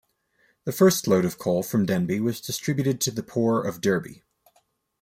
The first load of coal from Denby was distributed to the poor of Derby.